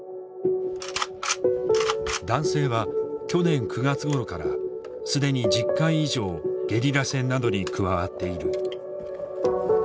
男性は去年９月ごろから既に１０回以上ゲリラ戦などに加わっている。